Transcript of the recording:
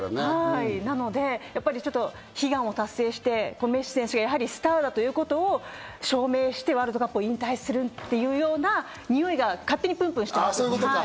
なので、悲願を達成して、メッシ選手がスターだということを証明して、ワールドカップを引退するというようなにおいが勝手にプンプンしてます。